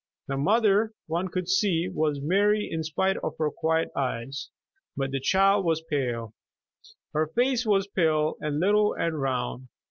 The mother, one could see, was merry in spite of her quiet eyes. But the child was pale. Her face was pale and little and round.